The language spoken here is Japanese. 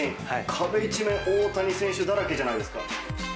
壁一面大谷選手だらけじゃないですか。